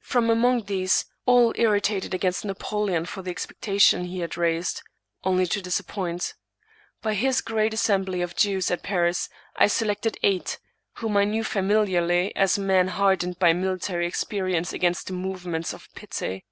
From among these, all irritated against Na poleon for the expectations he had raised, only to disap point, by his great assembly of Jews at Paris, I selected eight, whom I knew familiarly as men hardened by mili tary experience against the movements of pity.